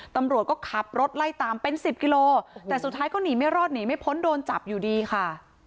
ตำรวจก็ขับรถไล่ตามเป็นสิบกิโลแต่สุดท้ายก็หนีไม่รอดหนีไม่พ้นโดนจับอยู่ดีค่ะ